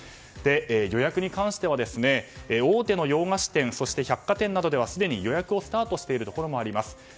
予約に関しては、大手の洋菓子店そして百貨店などではすでに予約をスタートしているところもあります。